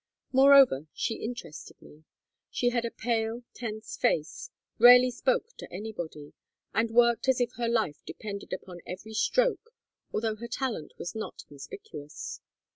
Moreover, she interested me. She had a pale tense face, rarely spoke to anybody, and worked as if her life depended upon every stroke, although her talent was not conspicuous.